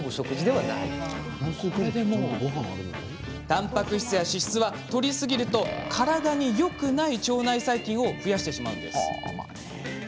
たんぱく質や脂質はとりすぎると体によくない腸内細菌を増やしてしまうんです。